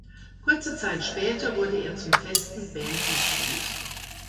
Kurze Zeit später wurde er zum festen Bandmitglied.